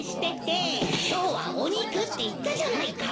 今日はお肉って言ったじゃないか。